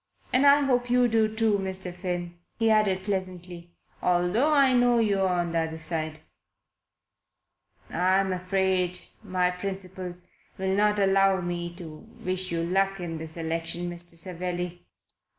And I hope you do too, Mr. Finn," he added pleasantly "although I know you're on the other side." "I'm afraid my principles will not allow me to wish you luck in this election, Mr. Savelli."